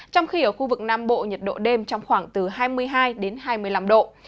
trong khi ở khu vực nam bộ nhiệt độ đêm trong khoảng từ hai mươi hai đến hai mươi năm độ